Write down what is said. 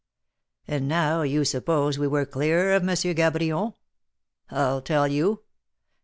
And now you suppose we were clear of M. Cabrion? I'll tell you.